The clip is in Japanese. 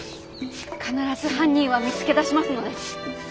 必ず犯人は見つけ出しますので。